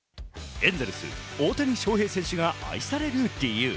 エンゼルス・大谷翔平選手が愛される理由。